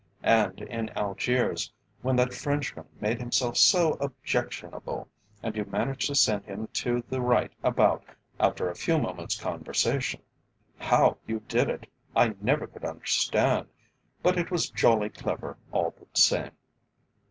And in Algiers, when that Frenchman made himself so objectionable and you managed to send him to the right about after a few moments' conversation. How you did it I never could understand, but it was jolly clever all the same."